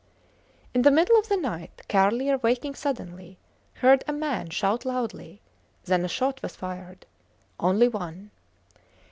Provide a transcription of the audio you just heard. In the middle of the night, Carlier waking suddenly, heard a man shout loudly; then a shot was fired. Only one.